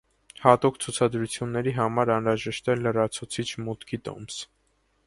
Հատուկ ցուցադրությունների համար անհրաժեշտ է լրացուցիչ մուտքի տոմս։